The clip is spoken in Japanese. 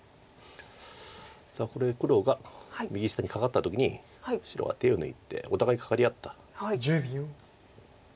さあこれ黒が右下にカカった時に白は手を抜いてお互いカカり合った。